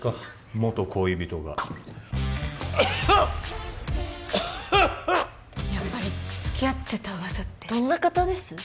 元恋人がやっぱりつきあってた噂ってどんな方です？